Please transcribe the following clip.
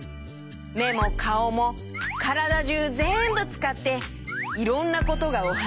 めもかおもからだじゅうぜんぶつかっていろんなことがおはなしできるんだよ。